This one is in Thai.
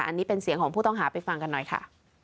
อันนี้เป็นเสียงของผู้ต้องหาไปฟังกันหน่อยค่ะ